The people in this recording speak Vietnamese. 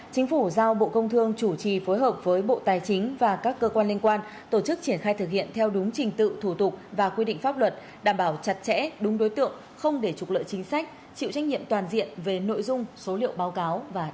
chính phủ giao bộ công thương chủ trì phối hợp với bộ tài chính và các cơ quan liên quan tổ chức triển khai thực hiện theo đúng trình tự thủ tục và quy định pháp luật đảm bảo chặt chẽ đúng đối tượng không để trục lợi chính sách chịu trách nhiệm toàn diện về nội dung số liệu báo cáo và